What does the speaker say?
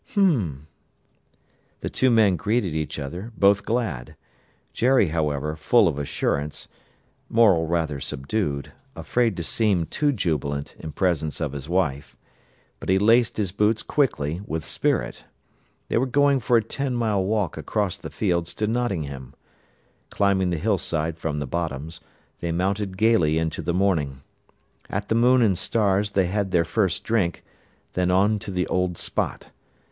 "H'm!" The two men greeted each other, both glad: Jerry, however, full of assurance, Morel rather subdued, afraid to seem too jubilant in presence of his wife. But he laced his boots quickly, with spirit. They were going for a ten mile walk across the fields to Nottingham. Climbing the hillside from the Bottoms, they mounted gaily into the morning. At the Moon and Stars they had their first drink, then on to the Old Spot.